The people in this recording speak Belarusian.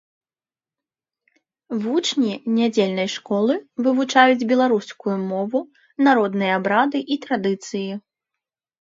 Вучні нядзельнай школы вывучаюць беларускую мову, народныя абрады і традыцыі.